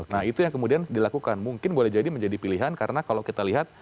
nah itu yang kemudian dilakukan mungkin boleh jadi menjadi pilihan karena kalau kita lihat